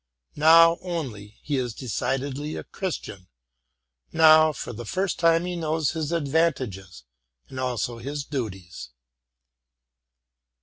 Now, only, he is decidedly a Chris tian, now for the first time he knows his advantages and also his duties.